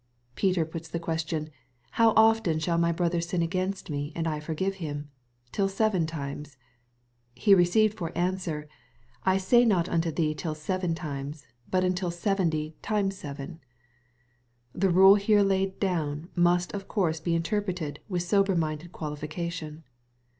Peter put the question, " How oft shall my brother sin against me and I forgive him ? till seven times ?" He received for answer, " I say not unto thee till seven times, but until seventy times seven." The rule here laid down must of course be interpreted with sober minded qualification.